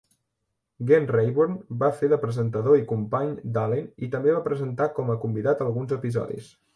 Gen Rayburn va fer de presentador i company d'Allen i també va presentar com a convidat alguns episodis.